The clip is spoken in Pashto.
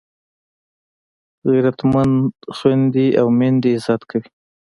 غیرتمند خویندي او میندې عزت کوي